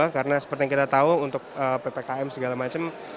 karena seperti yang kita tahu untuk ppkm segala macam